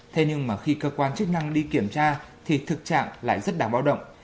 thế nhưng mà khi cơ quan chức năng đi kiểm tra thì thực trạng lại rất đáng báo động